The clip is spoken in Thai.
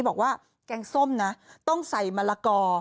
บอกว่าแกงส้มนะต้องใส่มะละกอ